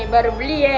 baru beli ya